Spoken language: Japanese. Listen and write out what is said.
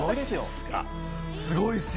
すごい。